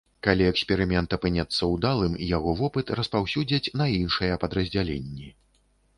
Калі эксперымент апынецца ўдалым, яго вопыт распаўсюдзяць на іншыя падраздзяленні.